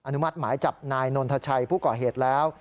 นุมัติหมายจับนายนนทชัยผู้ก่อเหตุแล้ว